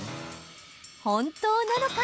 本当なのか？